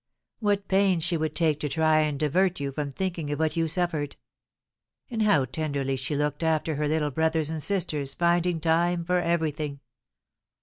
What pains she would take to try and divert you from thinking of what you suffered! And how tenderly she looked after her little brothers and sisters, finding time for everything!